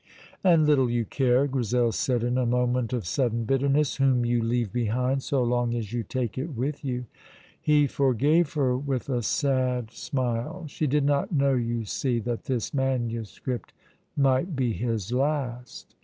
"And little you care," Grizel said, in a moment of sudden bitterness, "whom you leave behind, so long as you take it with you." He forgave her with a sad smile. She did not know, you see, that this manuscript might be his last.